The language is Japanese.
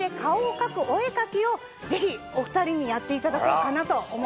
をぜひお２人にやっていただこうかなと思ってます。